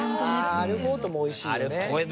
アルフォートもおいしいよね。